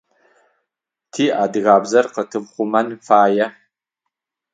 Ти адыгабзэр къэтыухъумэн фае